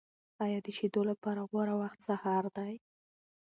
آیا د شیدو لپاره غوره وخت سهار دی؟